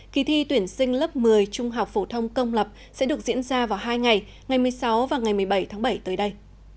kỳ thi tuyển sinh lớp một mươi trung học phổ thông công lập sẽ được diễn ra vào hai ngày ngày một mươi sáu và ngày một mươi bảy tháng bảy tới đây